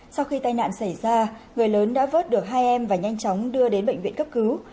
sau khi tai nạn xảy ra người lớn đã vớt được hai em và nhanh chóng đưa đến bệnh viện cấp cứu